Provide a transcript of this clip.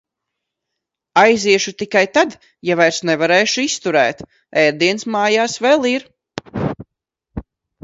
Aiziešu tikai tad, ja vairs nevarēšu izturēt. Ēdiens mājās vēl ir.